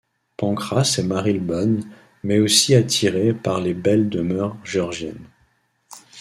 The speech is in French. Pancras et Marylebone, mais aussi attirés par les belles demeures georgiennes.